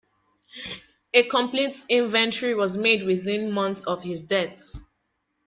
A complete inventory was made within months of his death.